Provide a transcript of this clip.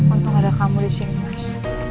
untung ada kamu di sini mas